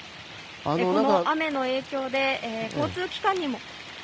雨の影響で交通機関にも。